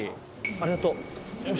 ありがとう。